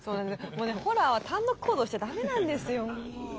もうねホラーは単独行動しちゃ駄目なんですよ。